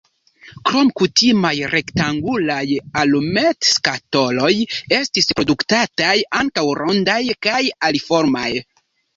Krom kutimaj rektangulaj alumetskatoloj estis produktataj ankaŭ rondaj kaj aliformaj.